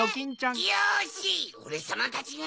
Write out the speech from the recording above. よしオレさまたちが！